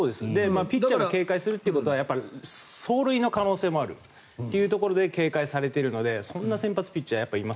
ピッチャーが警戒するというのは盗塁の可能性もあるというところで警戒されているのでそんな先発ピッチャー